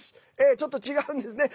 ちょっと違うんですね。